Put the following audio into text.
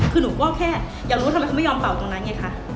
คือหนูก็แค่อยากรู้ว่าทำไมเขาไม่ยอมเป่าตรงนั้นไงคะ